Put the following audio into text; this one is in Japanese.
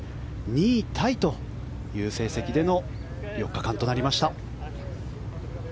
２位タイという成績での４日間となりました。